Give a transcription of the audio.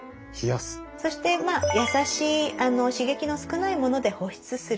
そして優しい刺激の少ないもので保湿するっていう。